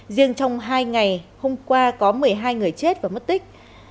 riêng trong hai ngày hôm qua có một mươi hai người chết và mất tích